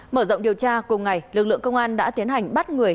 mở rộng điều tra cùng ngày lực lượng công an đã tiến hành bắt người